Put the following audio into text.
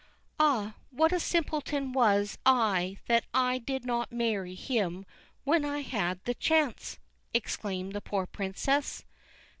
"Ah, what a simpleton was I that I did not marry him when I had the chance!" exclaimed the poor princess.